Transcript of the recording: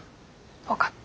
分かった。